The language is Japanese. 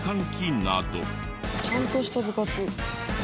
ちゃんとした部活。